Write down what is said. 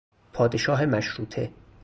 پادشاه مشروطه